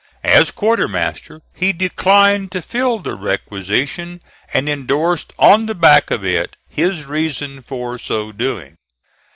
As quartermaster he declined to fill the requisition, and endorsed on the back of it his reasons for so doing.